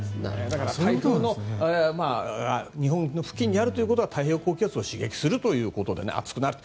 だから、台風が日本の付近にあるということは太平洋高気圧を刺激するということで暑くなる。